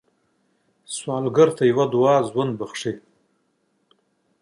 سوالګر ته یوه دعا ژوند بښي